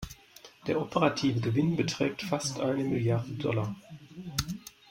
Der operative Gewinn beträgt fast eine Milliarde Dollar.